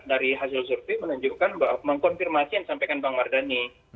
dari hasil survei menunjukkan bahwa mengkonfirmasi yang disampaikan bang mardhani